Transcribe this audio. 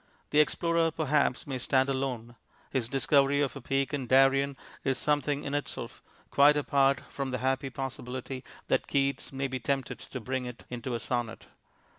The explorer perhaps may stand alone. His discovery of a peak in Darien is something in itself, quite apart from the happy possibility that Keats may be tempted to bring it into a sonnet.